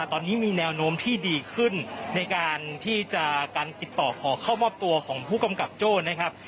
ตอนนี้มีแนวโน้มที่ดีขึ้นในการที่จะการติดต่อขอเข้ามอบตัวของผู้กำกับโจ้นะครับ